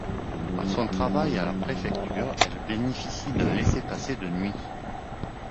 Par son travail à la préfecture, elle bénéficie d'un laisser-passer de nuit.